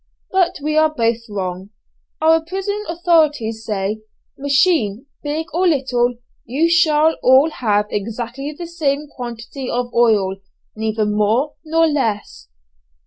But we are both wrong. Our prison authorities say, "Machine, big or little, you shall all have exactly the same quantity of oil, neither more nor less.